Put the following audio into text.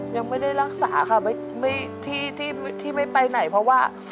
ยังไม่ได้รักษาค่ะที่ไม่ไปไหนเพราะว่า